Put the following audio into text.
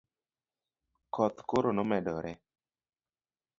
koth koro nomedore